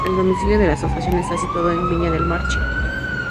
El domicilio de la asociación está situado en Viña del Mar, Chile.